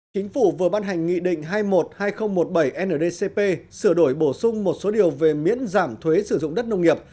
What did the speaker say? chính phủ vừa ban hành nghị định hai mươi một hai nghìn một mươi bảy ndcp sửa đổi bổ sung một số điều về miễn giảm thuế sử dụng đất nông nghiệp